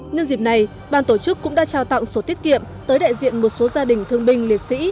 nhân dịp này ban tổ chức cũng đã trao tặng sổ tiết kiệm tới đại diện một số gia đình thương binh liệt sĩ